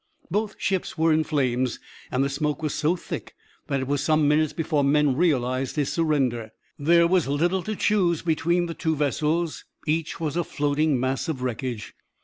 Both ships were in flames, and the smoke was so thick that it was some minutes before men realized his surrender. There was little to choose between the two vessels; each was a floating mass of wreckage.